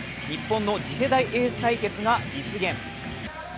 日本の次世代エース対決が実現。